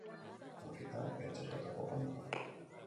Hori da etxe askotako panorama.